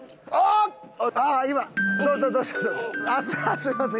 すみません